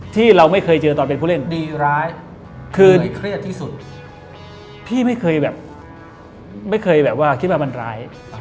ที่เราไม่เคยเจอตอนเป็นผู้เล่นคือพี่ไม่เคยแบบไม่เคยแบบว่าคิดว่ามันร้าย